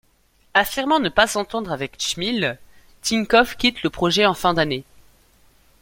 Affirmant ne pas s'entendre avec Tchmil, Tinkoff quitte le projet en fin d'année.